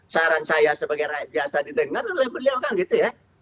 saran saya sebagai rakyat biasa didengar oleh beliau kan gitu ya